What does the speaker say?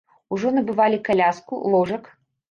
Ужо набывалі каляску, ложак?